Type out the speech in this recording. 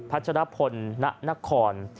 ัชรพลณนคร